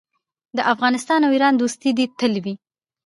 د افغانستان او ایران دوستي دې تل وي.